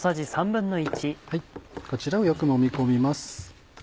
こちらをよくもみ込みます。